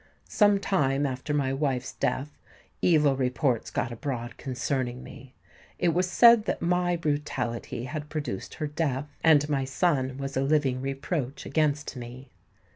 Some time after my wife's death, evil reports got abroad concerning me. It was said that my brutality had produced her death; and my son was a living reproach against me.